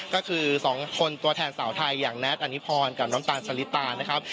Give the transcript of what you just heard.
ก็คือ๒คนตัวแทนสาวไทยอย่างแน็ตอันนิพรกับน้ำตาลสลิตานะครับ